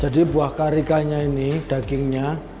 jadi buah karikanya ini dagingnya